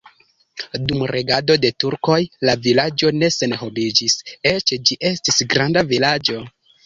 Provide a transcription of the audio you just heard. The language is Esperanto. Dum regado de turkoj la vilaĝo ne senhomiĝis, eĉ ĝi estis granda vilaĝo.